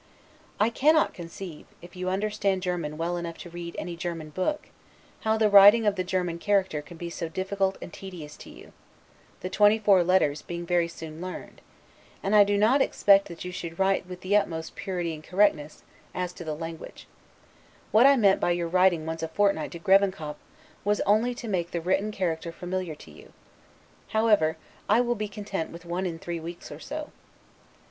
I cannot conceive, if you understand German well enough to read any German book, how the writing of the German character can be so difficult and tedious to you, the twenty four letters being very soon learned; and I do not expect that you should write yet with the utmost purity and correctness, as to the language: what I meant by your writing once a fortnight to Grevenkop, was only to make the written character familiar to you. However, I will be content with one in three weeks or so.